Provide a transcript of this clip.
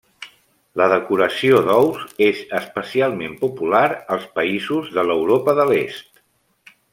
La decoració d'ous és especialment popular als països de l'Europa de l'Est.